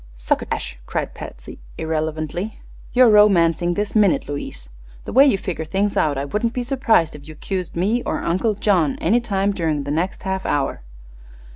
"Succotash!" cried Patsy, irrelevantly. "You're romancing this minute, Louise. The way you figure things out I wouldn't be surprised if you accused me, or Uncle John, any time during the next half hour.